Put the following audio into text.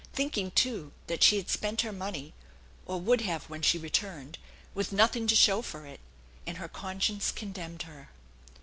Thinking, too, that she had spent her money or would have when she returned, with nothing to show for it, and her conscience condemned her.